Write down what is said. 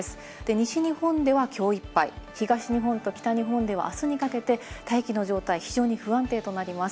西日本ではきょういっぱい、東日本と北日本ではあすにかけて大気の状態、非常に不安定となります。